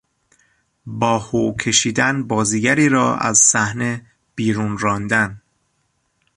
با هو کشیدن بازیگری را از صحنه بیرون راندن